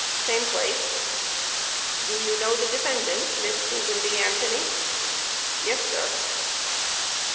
Same place. Q. Do you know the defendant, Miss Susan B. Anthony? A. Yes, sir.